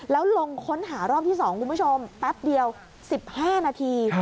แล้วลงค้นหารอบที่๒คุณผู้ชมแป๊บเดียว๑๕นาที